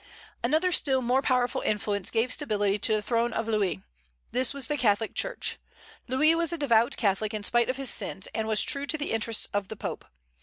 Another still more powerful influence gave stability to the throne of Louis: this was the Catholic Church. Louis was a devout Catholic in spite of his sins, and was true to the interests of the Pope.